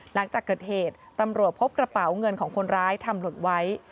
หลังจากเกิดเหตุตำรวจพบกระเป๋าเงินของคนร้ายทำหล่นไว้